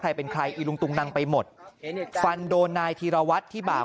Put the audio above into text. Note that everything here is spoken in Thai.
ใครเป็นใครอีลุงตุงนังไปหมดฟันโดนนายธีรวัตรที่บ่า